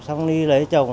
xong đi lấy chồng